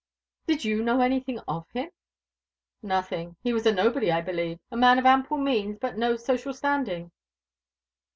"Did you know any thing of him?" "Nothing. He was a nobody, I believe. A man of ample means, but of no social standing."